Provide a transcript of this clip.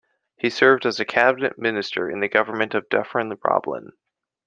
He served as a cabinet minister in the government of Dufferin Roblin.